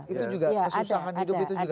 itu juga kesusahan hidup itu juga